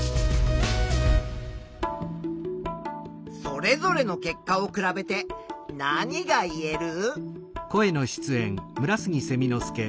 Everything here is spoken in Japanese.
それぞれの結果を比べて何がいえる？